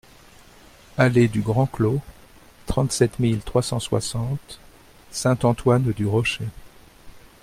Allée du Grand Clos, trente-sept mille trois cent soixante Saint-Antoine-du-Rocher